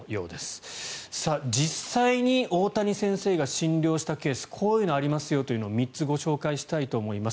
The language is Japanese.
実際に大谷先生が診療したケースこういうのがありますよというのを３つご紹介します。